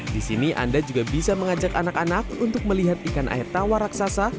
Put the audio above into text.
di sini anda juga bisa mengajak anak anak untuk melihat ikan air tawar raksasa